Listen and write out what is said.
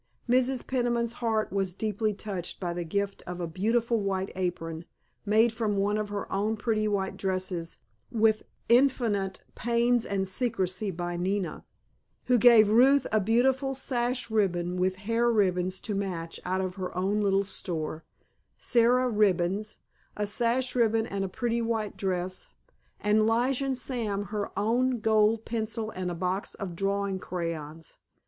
Mrs. Peniman's heart was deeply touched by the gift of a beautiful white apron, made from one of her own pretty white dresses with infinite pains and secrecy by Nina, who gave Ruth a beautiful sash ribbon with hair ribbons to match out of her own little store, Sara ribbons, a sash ribbon and a pretty white dress, and Lige and Sam her own gold pencil and a box of drawing crayons.